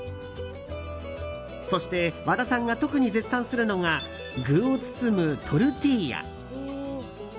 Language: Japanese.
そして、和田さんが特に絶賛するのが具を包むトルティーヤ。